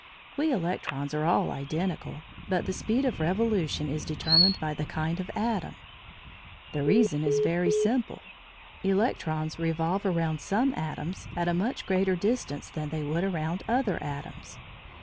We electrons are all identical, but the speed of revolution is determined by the kind of atom. The reason is very simple; electrons revolve around some atoms at a much greater distance than they would around other atoms.